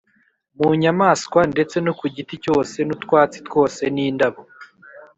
mu nyamaswa ndetse no ku giti cyose n’utwatsi twose n’indabo,